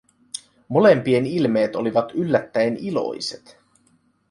Molempien ilmeet olivat yllättäen iloiset.